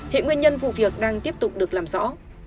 hiện nguyên nhân vụ việc đang tiếp tục được làm rõ